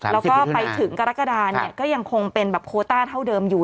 แล้วก็ไปถึงกรกฎาเนี่ยก็ยังคงเป็นแบบโคต้าเท่าเดิมอยู่